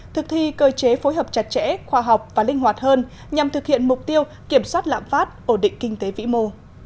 thực thi cơ chế phối hợp chặt chẽ khoa học và linh hoạt hơn nhằm thực hiện mục tiêu kiểm soát lạm phát ổn định kinh tế vĩ mô